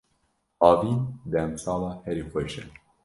Havîn demsala herî xweş e.